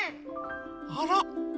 あら！